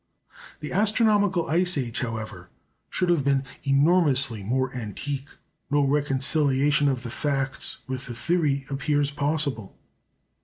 The astronomical Ice Age, however, should have been enormously more antique. No reconciliation of the facts with the theory appears possible.